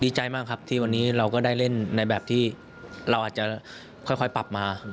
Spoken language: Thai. ดีใจมากครับที่วันนี้เราก็ได้เล่นในแบบที่เราอาจจะค่อยปรับมา